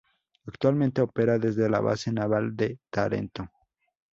Actualmente opera desde la base naval de Tarento.